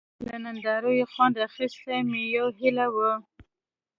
له نندارو یې خوند اخیستل مې یوه هیله وه.